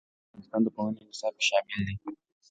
هوا د افغانستان د پوهنې نصاب کې شامل دي.